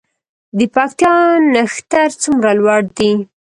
د پکتیا نښتر څومره لوړ دي؟